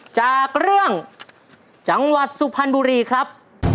จากเรื่องจังหวัดสุพรรณบุรีครับ